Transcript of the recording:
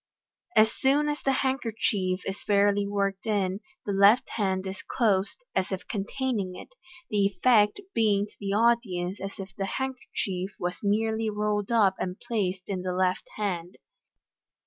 As soon as the handkerchief is fairly worked in, the left hand is closed, as if containing it j the effect being to the audience as if the handkerchief was merely rolled up and placed in the left hand.